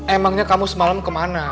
emangnya kamu semalam kemana